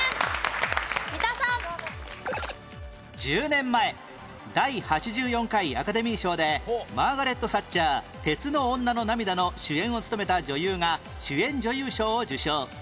１０年前第８４回アカデミー賞で『マーガレット・サッチャー鉄の女の涙』の主演を務めた女優が主演女優賞を受賞